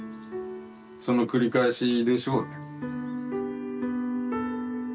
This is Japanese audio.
その繰り返しでしょうね。